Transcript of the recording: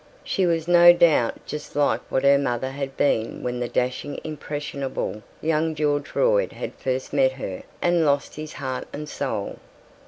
She was no doubt just like what her mother had been when the dashing impressionable young George Royd had first met her and lost his heart and soul.